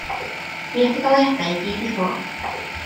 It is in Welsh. Mi aeth y goleuadau i gyd i ffwrdd.